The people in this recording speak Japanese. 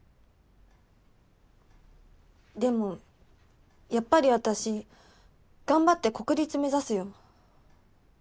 でもやっぱり私頑張って国立目指すよ。